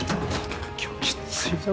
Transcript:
・・今日きっついぞ。